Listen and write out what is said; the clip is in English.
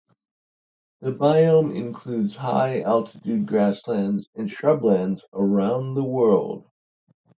The biome includes high altitude grasslands and shrublands around the world.